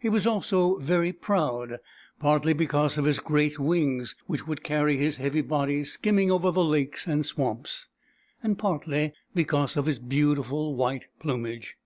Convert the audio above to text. He was also very proud, partly because of his great wings, which would carry his heavy body skimming over the lakes and swamps, and partly because of his beautiful white plumage.